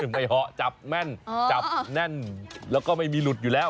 เหมาะจับแม่นจับแน่นแล้วก็ไม่มีหลุดอยู่แล้ว